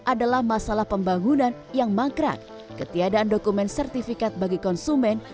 adalah masalah pembangunan yang mangkrak ketiadaan dokumen sertifikat bagi konsumen